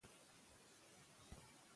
الوتکه د هوا د خرابوالي له امله لږه وښورېده.